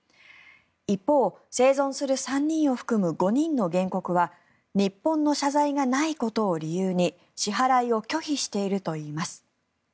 一方、生存する３人を含む５人の原告は日本の謝罪がないことを理由に支払いを拒否しているといいます。